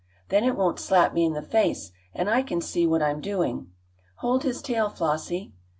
Then it won't slap me in the face, and I can see what I'm doing. Hold his tail, Flossie."